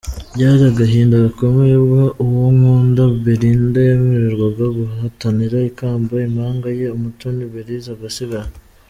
Byari agahinda gakomeye ubwo Uwonkunda Belinda yemererwaga guhatanira ikamba impanga ye Umutoni Belise agasigara.